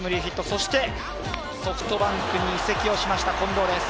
そしてソフトバンクに移籍をしました近藤です。